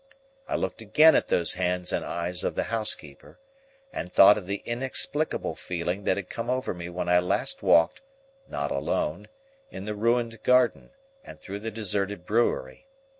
I looked again at those hands and eyes of the housekeeper, and thought of the inexplicable feeling that had come over me when I last walked—not alone—in the ruined garden, and through the deserted brewery.